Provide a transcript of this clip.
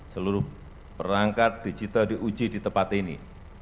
seluruh perangkat digital diuji di tempat ini